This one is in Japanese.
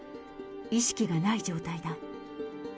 意識がない状態だ。